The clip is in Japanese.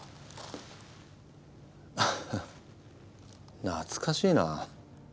ハハ懐かしいな。